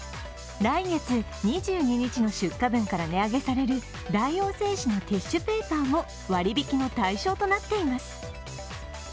来月２２日の出荷分から値上げされる大王製紙のティッシュペーパーも割り引きの対象となっています。